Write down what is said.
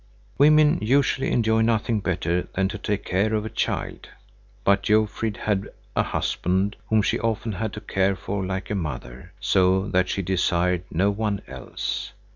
Women usually enjoy nothing better than to take care of a child; but Jofrid had a husband, whom she often had to care for like a mother, so that she desired no one else.